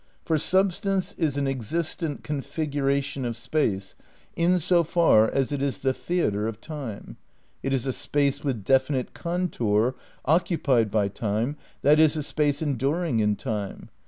"For substance is an existent configuration of space in so far as it is the theatre of Time; it is a space with definite contour oc cupied by time, that is, a space enduring in time.